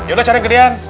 yaudah caranya gedean